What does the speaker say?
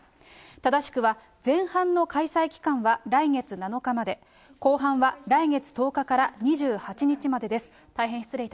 正しくは、前半の開催期間は、来月７日まで、後半は来月１０日から２８日までです。